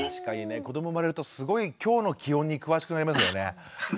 子ども生まれるとすごい今日の気温に詳しくなりますよね。